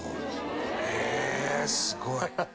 へえすごい。